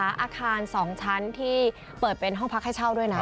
อาคาร๒ชั้นที่เปิดเป็นห้องพักให้เช่าด้วยนะ